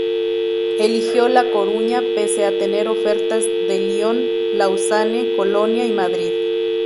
Eligió La Coruña pese a tener ofertas de Lyon, Lausanne, Colonia y Madrid.